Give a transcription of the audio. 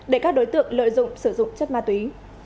để các đối tượng lợi dụng sử dụng chất ma túy